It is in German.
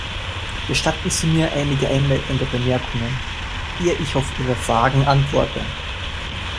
Gestatten Sie mir einige einleitende Bemerkungen, ehe ich auf Ihre Fragen antworte.